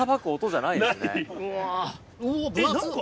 うわ！